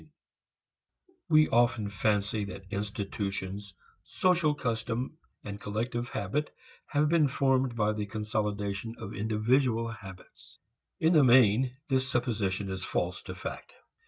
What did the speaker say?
IV We often fancy that institutions, social custom, collective habit, have been formed by the consolidation of individual habits. In the main this supposition is false to fact.